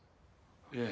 いえ